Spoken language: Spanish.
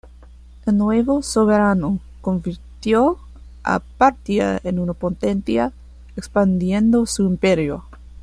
El nuevo soberano convirtió a Partia en una potencia, expandiendo su imperio.